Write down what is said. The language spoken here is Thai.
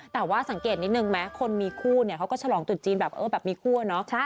แต่ว่าสังเกตนิดนึงไหมคนมีคู่เนี่ยเขาก็ฉลองตุดจีนแบบเออแบบมีคั่วเนอะ